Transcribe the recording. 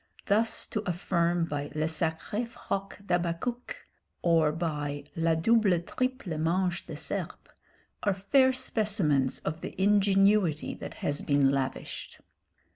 Thus to affirm by le sacré froc d'Habacuc, or by la double triple manche de serpe, are fair specimens of the ingenuity that has been lavished.